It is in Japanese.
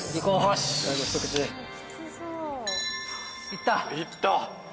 ・いった！